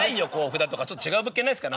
違う物件ないですかね。